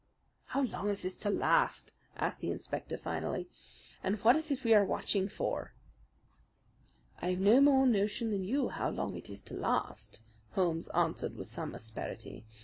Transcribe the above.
"How long is this to last?" asked the inspector finally. "And what is it we are watching for?" "I have no more notion than you how long it is to last," Holmes answered with some asperity.